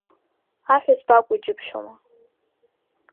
Аҳәызба акәу џьыбшьома?